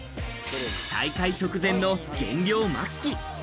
大会直前の減量末期。